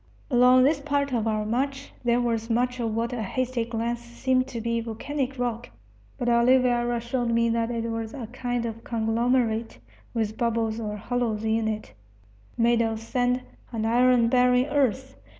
Along this part of our march there was much of what at a hasty glance seemed to be volcanic rock; but Oliveira showed me that it was a kind of conglomerate, with bubbles or hollows in it, made of sand and iron bearing earth.